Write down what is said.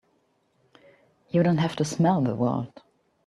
You don't have to smell the world!